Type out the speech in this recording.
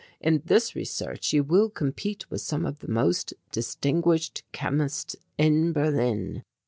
In this research you will compete with some of the most distinguished chemists in Berlin.